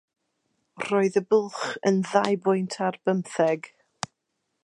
Roedd y bwlch yn ddau bwynt ar bymtheg.